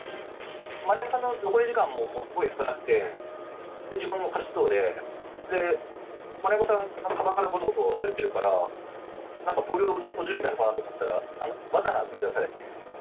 丸山さんの残り時間がもうすごい少なくて、自分も勝ちそうで、丸山さん、かばんからごそごそされてるから、なんか投了の準備なのかなと思ったら、バナナを取り出されて。